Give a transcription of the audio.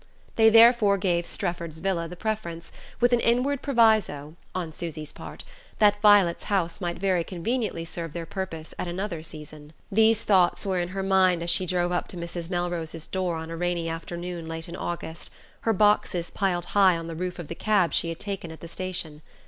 They therefore gave Strefford's villa the preference, with an inward proviso (on Susy's part) that Violet's house might very conveniently serve their purpose at another season. These thoughts were in her mind as she drove up to Mrs. Melrose's door on a rainy afternoon late in August, her boxes piled high on the roof of the cab she had taken at the station.